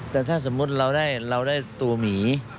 แต่ถ้าสมมติเราได้เราได้ตัวหมี